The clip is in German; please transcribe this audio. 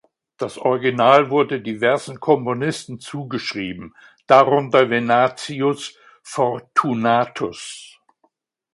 Das Original wurde diversen Komponisten zugeschrieben, darunter Venantius Fortunatus.